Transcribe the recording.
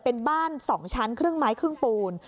เป็นบ้าน๒ชั้นครึ่งไม้ครึ่งปูน